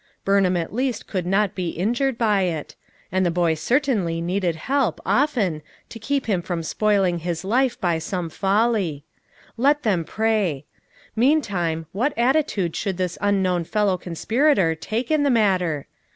Burnham at least could not be injured by it; and the boy certainly needed help, often, to keep him from spoiling his life by some folly. Let them pray. Mean time, what attitude should this unknown fellow conspirator take in the matter?